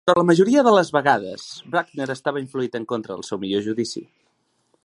Però la majoria de les vegades, Bruckner estava influït en contra del seu millor judici.